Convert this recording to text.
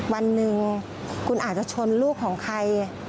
วันหนึ่งคุณอาจจะชนลูกของใคร